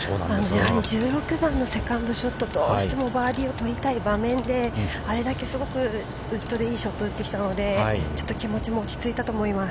◆やはり１６番のセカンドショット、どうしてもバーディーなどを取りたい場面であれだけすごくウッドでいいショットを打ってきたのでちょっと気持ちも落ちついたと思います。